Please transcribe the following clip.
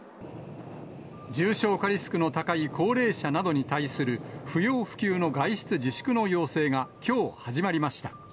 重症化リスクの高い高齢者などに対する不要不急の外出自粛の要請がきょう、始まりました。